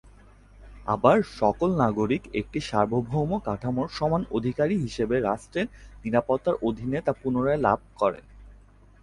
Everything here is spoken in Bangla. আবার সকল নাগরিক একটা সার্বভৌম কাঠামোর সমান অধিকারী হিসাবে রাষ্ট্রের নিরাপত্তার অধীনে তা পুনরায় লাভ করে।